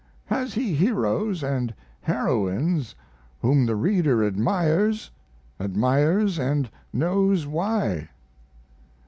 Has he heroes & heroines whom the reader admires admires and knows why?